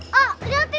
kau akan kurehatai